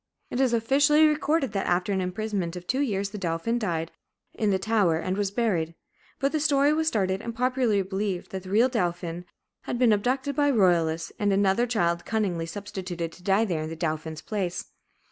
It is officially recorded that after an imprisonment of two years the dauphin died in the tower and was buried. But the story was started and popularly believed, that the real dauphin had been abducted by the royalists and another child cunningly substituted to die there in the dauphin's place.